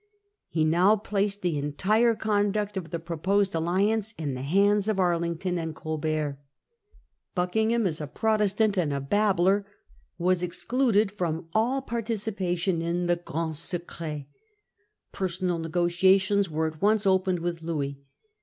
He now placed the entire conduct of the proposed alliance in the hands of Arlington and Colbert. Bucking ham, as a Protestant and a babbler, was excluded from all participation in the ' grand secret.' Personal negotia tions were at once opened with Louis.